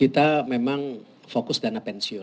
kita memang fokus dana pensiun